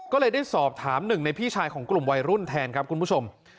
ก็เลยได้สอบถามหนึ่งในพี่ชายของกลุ่มวัยรุ่นแทนครับคุณผู้ชม